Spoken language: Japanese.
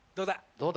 どうだ？